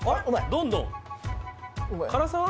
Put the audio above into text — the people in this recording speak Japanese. どんどん辛さは？